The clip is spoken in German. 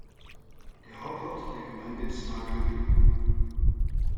Der Hauptort der Gemeinde ist Falköping.